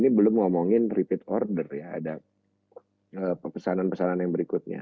ini belum ngomongin repeat order ya ada pesanan pesanan yang berikutnya